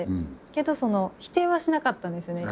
けど否定はしなかったんですよね。